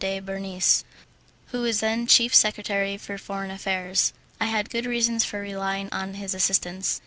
de Bernis, who was then chief secretary for foreign affairs. I had good reasons for relying on his assistance.